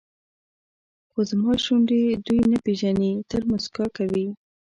خو زما شونډې دوی نه پېژني تل موسکا کوي.